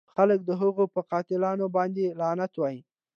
خلکو د هغه په قاتلانو باندې لعنت وایه.